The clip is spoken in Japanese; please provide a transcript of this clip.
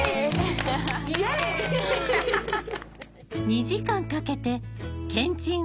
２時間かけてけんちん